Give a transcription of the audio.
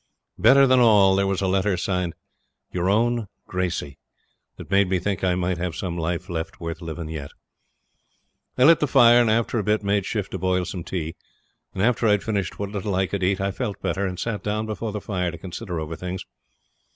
Better than all, there was a letter, signed 'Your own Gracey,' that made me think I might have some life left worth living yet. I lit the fire, and after a bit made shift to boil some tea; and after I'd finished what little I could eat I felt better, and sat down before the fire to consider over things.